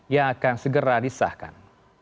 yang akan segera disahkan